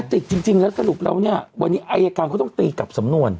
กะติกจริงแล้วกระดูกเราเนี่ยวันนี้อายการต้องตีกลับสำนวน